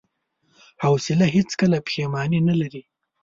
حوصله هیڅکله پښېماني نه لري.